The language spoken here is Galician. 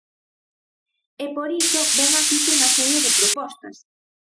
E por iso vén aquí cunha serie de propostas.